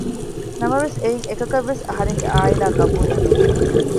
ނަމަވެސް އެއިން އެކަކަށްވެސް އަހަރެންގެ އާއިލާ ޤަބޫލެއް ނުވި